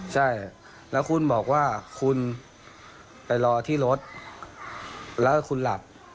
ใช่แล้วคุณบอกว่าคุณไปรอที่รถแล้วคุณหลับ